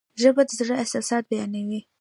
ژبه د زړه احساسات بیانوي.